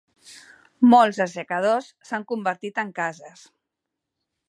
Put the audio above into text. Molts assecadors s'han convertit en cases.